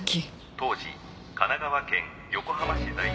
「当時神奈川県横浜市在住の」